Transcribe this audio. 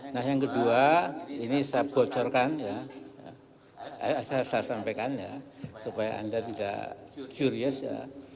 nah yang kedua ini saya bocorkan ya saya sampaikan ya supaya anda tidak curious ya